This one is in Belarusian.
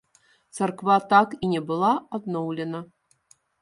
Царква так і не была адноўлена.